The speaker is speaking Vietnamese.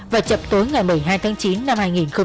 và chập tối ngày một mươi hai tháng chín năm hai nghìn một mươi tám